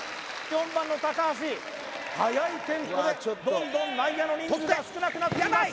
４番の橋はやいテンポでどんどん内野の人数が少なくなっています